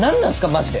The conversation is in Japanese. マジで。